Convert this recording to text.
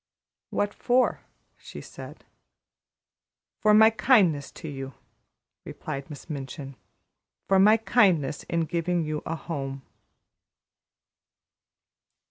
"What for?" she said. "For my kindness to you," replied Miss Minchin. "For my kindness in giving you a home."